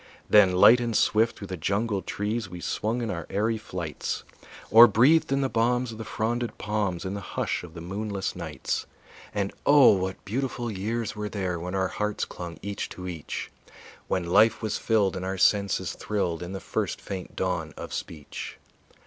Then light and swift through the jungle trees We swung in our airy flights, Or breathed in the balms of the fronded palms In the hush of the moonless nights; And oh! what beautiful years were there When our hearts clung each to each; When life was filled and our senses thrilled In the first faint dawn of speech.